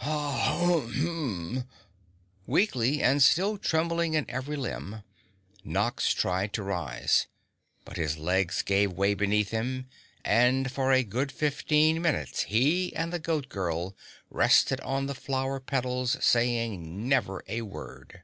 Ha rumph!" Weakly and still trembling in every limb, Nox tried to rise, but his legs gave way beneath him and for a good fifteen minutes he and the Goat Girl rested on the flower petals saying never a word.